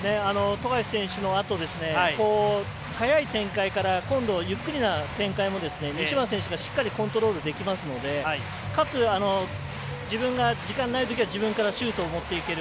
富樫選手のあと速い展開からゆっくりな展開も西村選手がしっかりコントロールできますのでかつ、自分が時間のないときは自分からシュートを持っていける。